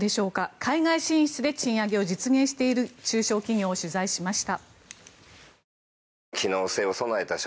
海外進出で賃上げを実現している中小企業を取材しました。